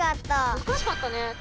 むずかしかったね。